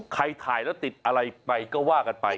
ถ่ายแล้วติดอะไรไปก็ว่ากันไป